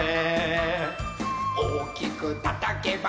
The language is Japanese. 「おっきくたたけば」